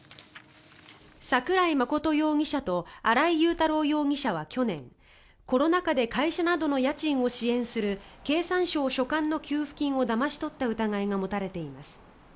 桜井真容疑者と新井雄太郎容疑者は去年コロナ禍で会社などの家賃を支援する経産省所管の給付金をだまし取った疑いが持たれています。